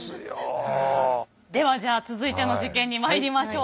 ではじゃあ続いての事件にまいりましょう。